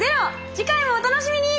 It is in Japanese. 次回もお楽しみに！